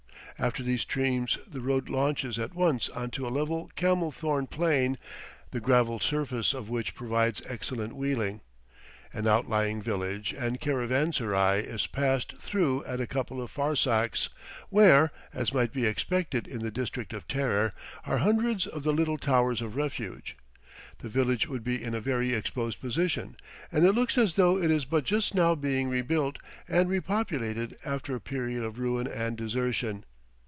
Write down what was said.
After these streams the road launches at once on to a level camel thorn plain, the gravelled surface of which provides excellent wheeling. An outlying village and caravanserai is passed through at a couple of farsakhs, where, as might be expected in the "district of terror," are hundreds of the little towers of refuge. This village would be in a very exposed position, and it looks as though it is but just now being rebuilt and repopulated after a period of ruin and desertion.